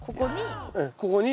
ここに。